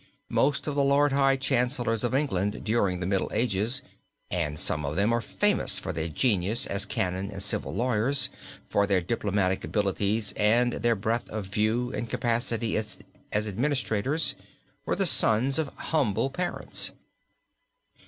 Most of the Lord High Chancellors of England during the Middle Ages and some of them are famous for their genius as canon and civil lawyers, for their diplomatic abilities and their breadth of view and capacity as administrators were the sons of humble parents.